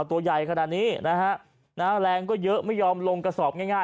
ตัวใหญ่ขนาดนี้นะฮะแรงก็เยอะไม่ยอมลงกระสอบง่าย